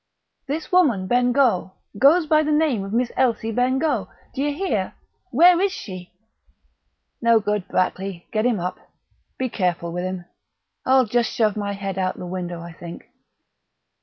"This woman Bengough... goes by the name of Miss Elsie Bengough... d'ye hear? Where is she?... No good, Brackley; get him up; be careful with him; I'll just shove my head out of the window, I think...."